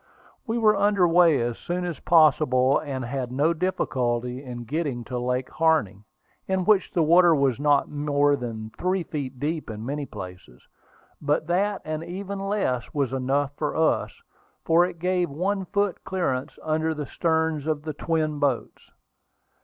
We were under way as soon as possible, and had no difficulty in getting to Lake Harney, in which the water was not more than three feet deep in many places. But that, and even less, was enough for us, for it gave one foot clear under the sterns of the twin boats.